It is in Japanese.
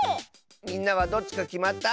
みんなはどっちかきまった？